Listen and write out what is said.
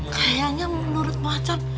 kayaknya menurut macem